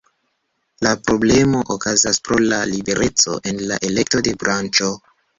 La problemo okazas pro la libereco en la elekto de branĉo.